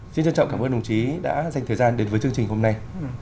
xin trân trọng cảm ơn đồng chí đã dành thời gian đến với chương trình hôm nay